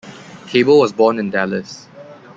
Cabell was born in Dallas.